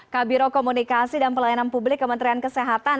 kabiro komunikasi dan pelayanan publik kementerian kesehatan